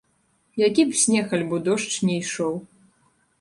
Які б снег альбо дождж ні ішоў.